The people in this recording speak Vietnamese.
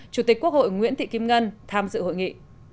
chủ tịch quốc hội nguyễn thị kim ngân tham dự hội nghị